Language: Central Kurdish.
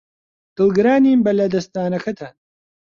دڵگرانین بە لەدەستدانەکەتان.